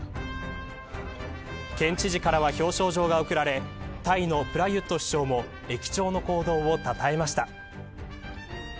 県知事からは表彰状が贈られタイのプラユット首相も駅長の行動を称えました。